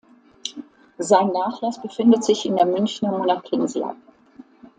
Sein Nachlass befindet sich in der Münchner Monacensia.